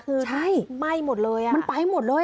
คือไหม้หมดเลยอ่ะใช่มันไปหมดเลย